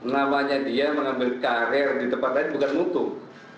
namanya dia mengambil karir di tempat lain bukan mutu